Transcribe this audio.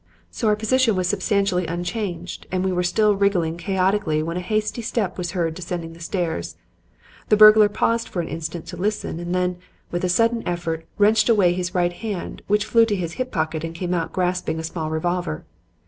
So our position was substantially unchanged, and we were still wriggling chaotically when a hasty step was heard descending the stairs. The burglar paused for an instant to listen and then, with a sudden effort, wrenched away his right hand, which flew to his hip pocket and came out grasping a small revolver.